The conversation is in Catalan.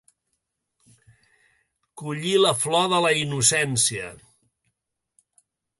Collir la flor de la innocència.